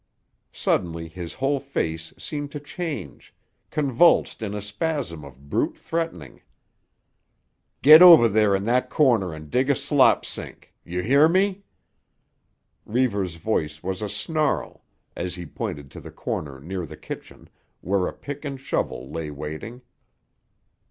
Suddenly his whole face seemed to change, convulsed in a spasm of brute threatening. "Get over there in that corner and dig a slop sink; you hear me?" Reivers' voice was a snarl as he pointed to the corner near the kitchen, where a pick and shovel lay waiting.